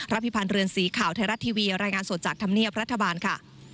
พิพันธ์เรือนสีข่าวไทยรัฐทีวีรายงานสดจากธรรมเนียบรัฐบาลค่ะ